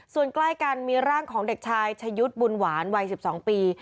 ส่วนใกล้กันมีร่างของเด็กชายชะยุทธ์บุญหวานวัย๑๒ปี